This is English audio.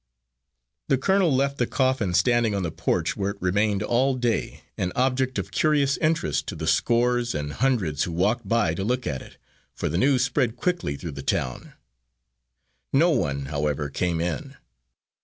The colonel left the coffin standing on the porch, where it remained all day, an object of curious interest to the scores and hundreds who walked by to look at it, for the news spread quickly through the town. No one, however, came in.